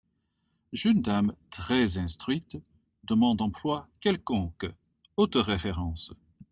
Jeune dame très instruite demande emploi quelconque, hautes références.